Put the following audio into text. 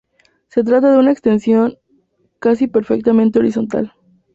Se trata de una extensión casi perfectamente horizontal.